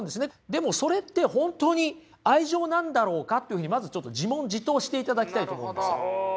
でもそれって本当に愛情なんだろうかっていうふうにまずちょっと自問自答していただきたいと思うんです。